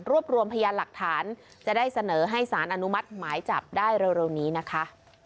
รวมรวมพยานหลักฐานจะได้เสนอให้สารอนุมัติหมายจับได้เร็วนี้นะคะ